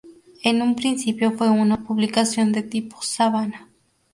En un principio fue una publicación de tipo sábana.